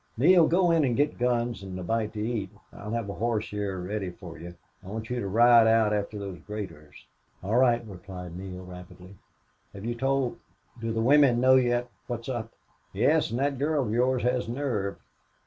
Neale, go in and get guns and a bite to eat. I'll have a horse here ready for you. I want you to ride out after those graders." "All right," replied Neale, rapidly. "Have you told Do the women know yet what's up?" "Yes. And that girl of yours has nerve.